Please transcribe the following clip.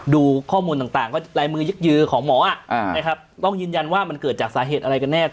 ดูข้อมูลต่างว่าลายมือยึกยือของหมอนะครับต้องยืนยันว่ามันเกิดจากสาเหตุอะไรกันแน่